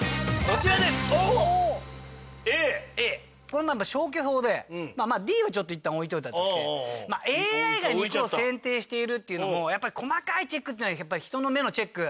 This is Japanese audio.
これ消去法でまあＤはちょっといったん置いといたとして「ＡＩが肉を選定している」っていうのもやっぱり細かいチェックっていうのは人の目のチェック